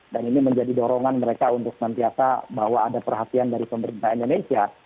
ini menjadi dorongan mereka untuk senantiasa bahwa ada perhatian dari pemerintah indonesia